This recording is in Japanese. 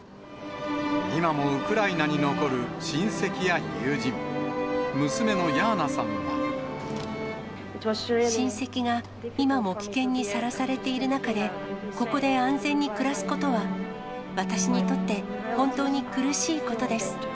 今もウクライナに残る親戚や親戚が今も危険にさらされている中で、ここで安全に暮らすことは、私にとって本当に苦しいことです。